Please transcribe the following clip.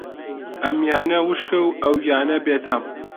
ئەمیانە وشکە و ئەویانە بێتام